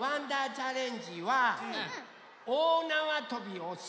チャレンジはおおなわとびをします！